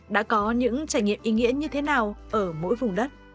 đã có những trải nghiệm ý nghĩa như thế nào ở mỗi vùng đất